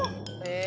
え。